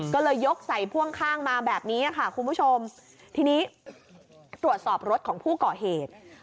ก็เลยยกใส่พ่วงข้างมาแบบนี้ค่ะคุณผู้ชมทีนี้ตรวจสอบรถของผู้ก่อเหตุ